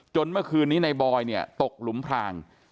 เมื่อคืนนี้ในบอยเนี่ยตกหลุมพราง